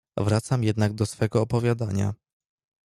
"Wracam jednak do swego opowiadania."